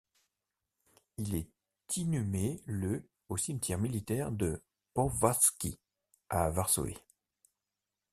Il est inhumé le au cimetière militaire de Powązki, à Varsovie.